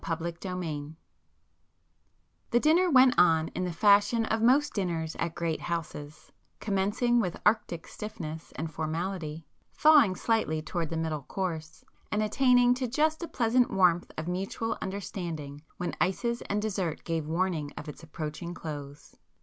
[p 136]XII The dinner went on in the fashion of most dinners at great houses,—commencing with arctic stiffness and formality, thawing slightly towards the middle course, and attaining to just a pleasant warmth of mutual understanding when ices and dessert gave warning of its approaching close.